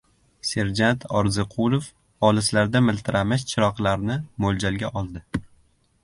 Serjant Orziqulov olislarda miltiramish chiroqlarni mo‘ljalga oldi.